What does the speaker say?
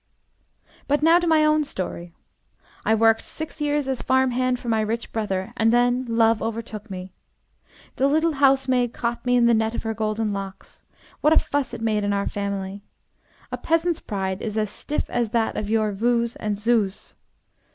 "But now to my own story. I worked six years as farm hand for my rich brother, and then love overtook me. The little housemaid caught me in the net of her golden locks. What a fuss it made in our family! A peasant's pride is as stiff as that of your 'Vous' and 'Zus.'